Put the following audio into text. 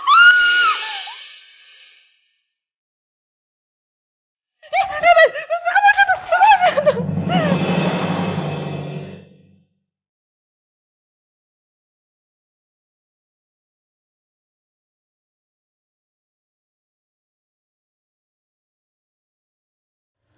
masukkan lagi dong